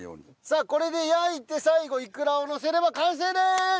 さあこれで焼いて最後イクラをのせれば完成です！